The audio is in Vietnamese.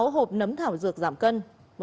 bốn mươi sáu hộp nấm thảo dược giảm cân